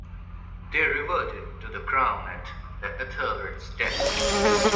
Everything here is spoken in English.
They reverted to the crown at Ethelred's death.